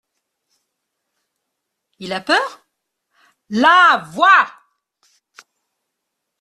Il a peur ? LA VOIX.